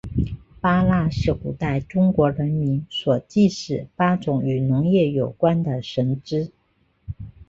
八蜡是古代中国人民所祭祀八种与农业有关的神只。